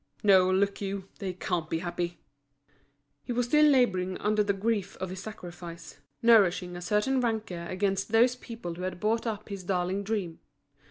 No, look you, they can't be happy." He was still labouring under the grief of his sacrifice, nourishing a certain rancour against those people who had bought up his darling dream.